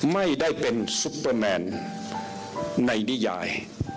ไม่ได้เป็นซุปเปอร์แมนในนิยาย